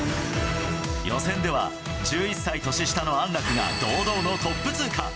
予選では１１歳年下の安楽が堂々のトップ通過。